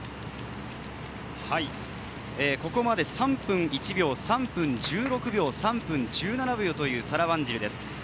平松さん、ここまで３分１秒、３分１６秒、３分１７秒というサラ・ワンジルです。